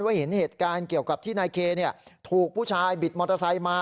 เห็นเหตุการณ์เกี่ยวกับที่นายเคถูกผู้ชายบิดมอเตอร์ไซค์มา